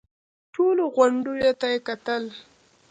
ټولو غونډيو ته کتل.